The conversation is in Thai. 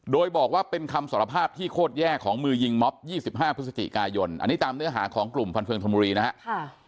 โดยบอกว่าเป็นคำสารภาพที่โคตรแย่ของมือยิงม็อบ๒๕พฤศจิกายนอันนี้ตามเนื้อหาของกลุ่มฟันเฟืองธนบุรีนะครับ